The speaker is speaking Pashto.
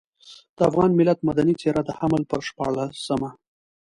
د افغان ملت مدني څېره د حمل پر شپاړلسمه.